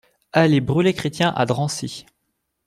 Allée Bruley-Chrétien à Drancy